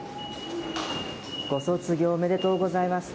ご卒業おめでとうございます。